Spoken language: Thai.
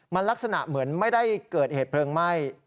มันลักษณะเหมือนไม่ได้เกิดเหตุเพลิงไหม้